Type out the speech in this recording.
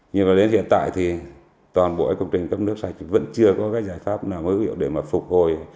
nhưng mà đến hiện tại thì toàn bộ công trình cấp nước sạch vẫn chưa có cái giải pháp nào hữu hiệu để mà phục hồi